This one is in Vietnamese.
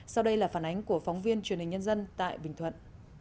sau đây là phản ánh của phóng viên truyền hình nhân dân tại bình thuận